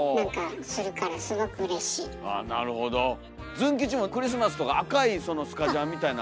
ズン吉もクリスマスとか赤いそのスカジャンみたいな。